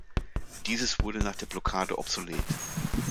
Dieses wurde nach der Blockade obsolet.